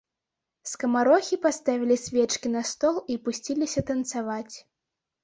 Скамарохі паставілі свечкі на стол і пусціліся танцаваць.